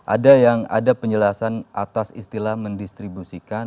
ada yang ada penjelasan atas istilah mendistribusikan